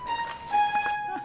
saya pergi dulu ya mak